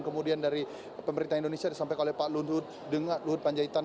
kemudian dari pemerintah indonesia disampaikan oleh pak luhut panjaitan